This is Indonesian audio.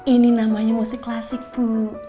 ini namanya musik klasik bulu